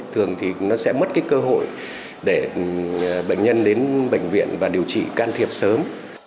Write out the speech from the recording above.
thường thì nó sẽ mất cái cơ hội để bệnh nhân đến bệnh viện và điều trị can thiệp sớm